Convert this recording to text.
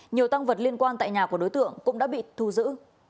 nhiều tăng vật liên quan tại nhà của đối tượng cũng đã bị thu giữ